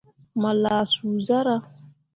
Mo lah suu zarah.